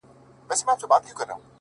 او راته وايي دغه ـ